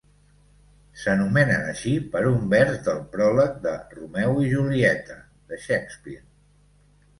S'anomenen així per un vers del pròleg de "Romeo i Julieta", de Shakespeare.